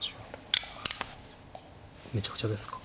めちゃくちゃですか。